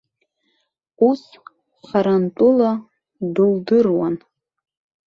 Ус харантәыла дылдыруан.